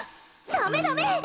ダメダメ！